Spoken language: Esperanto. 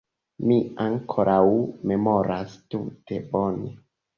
Mi ankoraŭ memoras tute bone.